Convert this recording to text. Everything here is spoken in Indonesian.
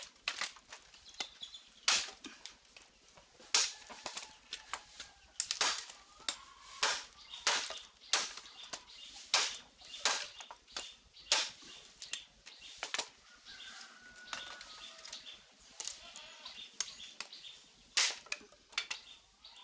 kau mau mau